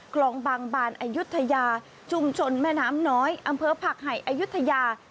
คลองบางบานอายุทยาชุมชนแม่น้ำน้อยอำเภอผักไห่อายุทยา